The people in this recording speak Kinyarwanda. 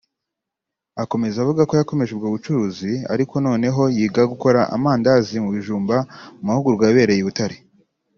Akomeza avuga ko yakomeje ubwo bucuruzi ariko noneho yiga gukora amandazi mu bijumba mu mahugurwa yabereye i Butare